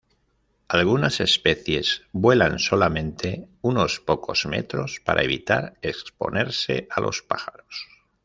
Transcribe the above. Algunas especies vuelan solamente unos pocos metros para evitar exponerse a los pájaros.